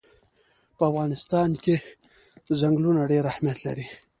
په افغانستان کې چنګلونه ډېر اهمیت لري.